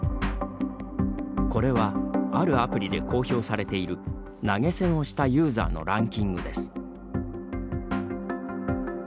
これは、あるアプリで公表されている投げ銭をしたユーザーのランキングです。